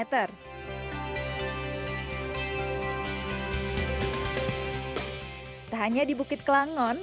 tak hanya di bukit kelangon